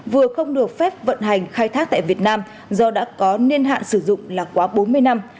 vừa không được phép vận hành khai thác tại việt nam do đã có niên hạn sử dụng là quá bốn mươi năm